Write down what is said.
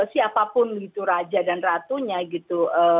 siapapun gitu raja dan ratunya gitu